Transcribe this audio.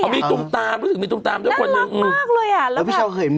และมีจุงตามเรื่องนั้นคนสุดค่ะน่ารักมากเลย